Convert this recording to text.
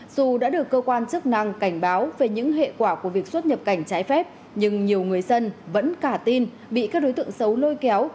dù đã được cơ quan chức năng cảnh báo về những hệ quả của việc xuất nhập cảnh trái phép nhưng nhiều người dân vẫn cả tin bị các đối tượng xấu lôi kéo